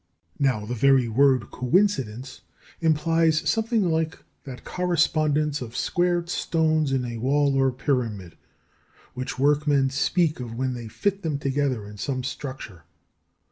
Now, the very word "coincidence" implies something like that correspondence of squared stones in a wall or pyramid, which workmen speak of when they fit them together in some structure.